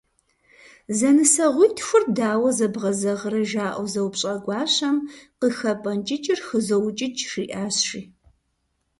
«Зэнысэгъуитхур дауэ зэбгъэзэгърэ?» - жаӏэу зэупщӏа гуащэм, «Къыхэпӏэнкӏыкӏыр хызоукӏыкӏ» - жиӏащ, жи.